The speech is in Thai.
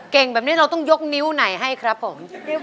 แบบนี้เราต้องยกนิ้วไหนให้ครับผม